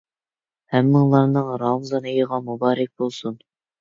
ھەممىڭلارنىڭ رامىزان ئېيىغا مۇبارەك بولسۇن.